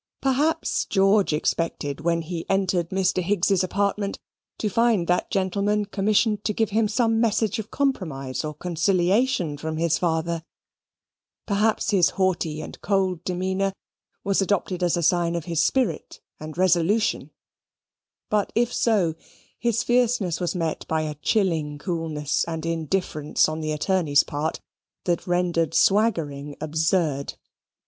Perhaps George expected, when he entered Mr. Higgs's apartment, to find that gentleman commissioned to give him some message of compromise or conciliation from his father; perhaps his haughty and cold demeanour was adopted as a sign of his spirit and resolution: but if so, his fierceness was met by a chilling coolness and indifference on the attorney's part, that rendered swaggering absurd.